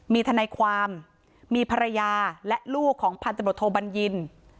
มีทนายความมีภรรยาและลูกของพันธบทโทบัญญิน